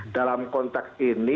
dalam kontak ini